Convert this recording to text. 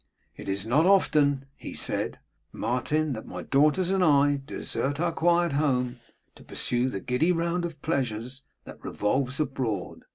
'It is not often,' he said, 'Martin, that my daughters and I desert our quiet home to pursue the giddy round of pleasures that revolves abroad.